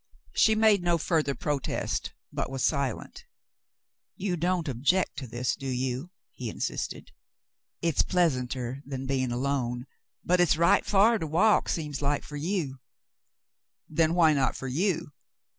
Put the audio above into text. She made no further protest, but was silent. "You don't object to this, do you ?" he insisted. "It's pleasanter than being alone, but it's right far to walk, seems like, for you." "Then why not for you